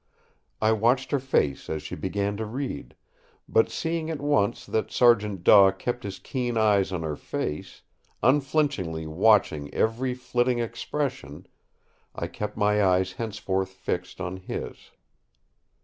I watched her face as she began to read; but seeing at once that Sergeant Daw kept his keen eyes on her face, unflinchingly watching every flitting expression, I kept my eyes henceforth fixed on his.